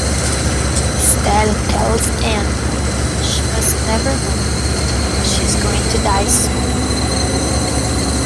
Steele tells Ann, "she must never know" she is going to die soon.